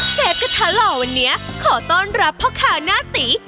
กระทะหล่อวันนี้ขอต้อนรับพ่อค้าหน้าตี